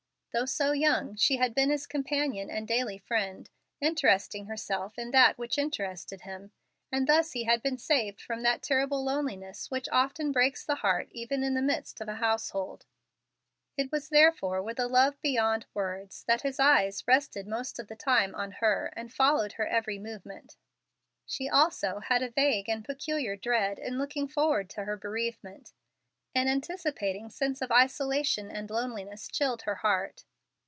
Though so young, she had been his companion and daily friend, interesting herself in that which interested him, and thus he had been saved from that terrible loneliness which often breaks the heart even in the midst of a household. It was therefore with a love beyond words that his eyes rested most of the time on her and followed her every movement. She also had a vague and peculiar dread in looking forward to her bereavement. An anticipating sense of isolation and loneliness chilled her heart.